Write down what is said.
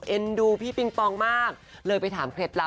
ดูพี่ปิงปองมากเลยไปถามเคล็ดลับ